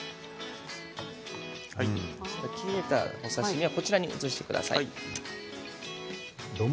切れたお刺身はこちらに移してください。